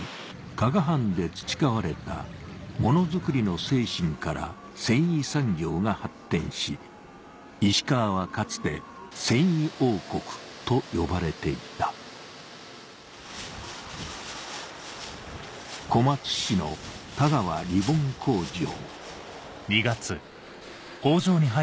加賀藩で培われたものづくりの精神から繊維産業が発展し石川はかつて「繊維王国」と呼ばれていた小松市の田川リボン工場